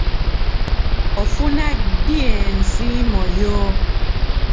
Ofuna ddi ensiimyo yo?